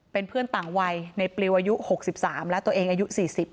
เป็นเพื่อนต่างวัยในปลิวอายุ๖๓และตัวเองอายุ๔๐